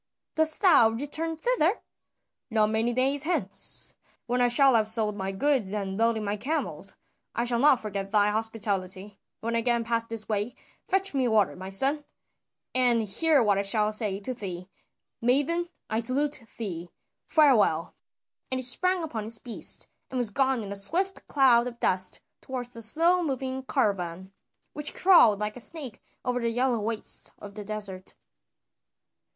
"Dost thou return thither?" "Not many days hence, when I shall have sold my goods and loaded my camels. I shall not forget thy hospitality; when I again pass this way fetch me water, my son, and hear what I shall say to thee. Maiden, I salute thee! Farewell." And he sprang upon his beast and was gone in a swift cloud of dust toward the slow moving caravan, which crawled like a snake over the yellow wastes of the desert.